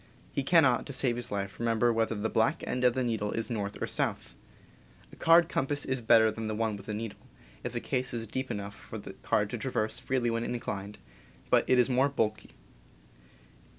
He cannot, to save his life, remember whether the black end of the needle is north or south. A card compass [is better than one with a needle, if the case is deep enough for the card to traverse freely when inclined, but it is more bulky.